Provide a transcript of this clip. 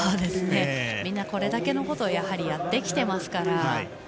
みんなこれだけのことをやってきていますから。